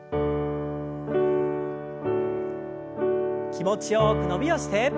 気持ちよく伸びをして。